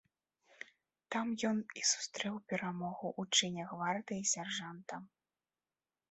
Там ён і сустрэў перамогу ў чыне гвардыі сяржанта.